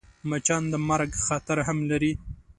مچان د مرګ خطر هم لري